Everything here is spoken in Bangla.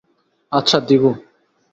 আচ্ছা, দিবো।